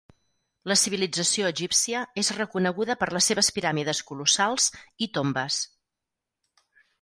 La civilització egípcia és reconeguda per les seves piràmides colossals i tombes.